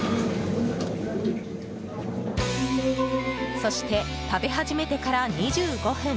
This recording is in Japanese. そして、食べ始めてから２５分。